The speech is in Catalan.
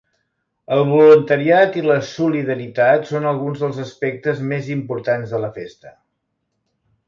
El voluntariat i la solidaritat són alguns dels aspectes més importants de la festa.